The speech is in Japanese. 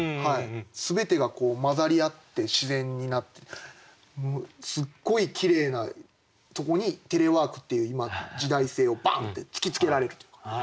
全てが混ざり合って自然になってすっごいきれいなとこにテレワークっていう今時代性をバンって突きつけられるというか。